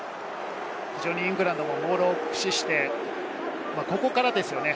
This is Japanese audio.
イングランドもモールを駆使してここからですね。